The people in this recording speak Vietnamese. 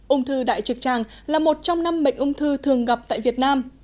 ung thư đại trực tràng là một trong năm bệnh ung thư thường gặp tại việt nam